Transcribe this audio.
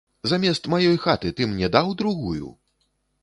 Замест маёй хаты ты мне даў другую?